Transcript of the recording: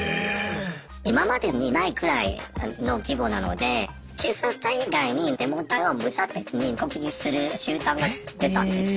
今までにないくらいの規模なので警察隊以外にデモ隊を無差別に攻撃する集団が出たんですよ。